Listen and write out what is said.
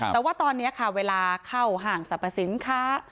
แต่ว่าตอนนี้ค่ะเวลาเข้าห้างสรรพสินค้า